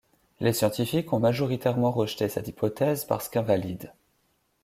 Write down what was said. Les scientifiques ont majoritairement rejeté cette hypothèse parce qu'invalide.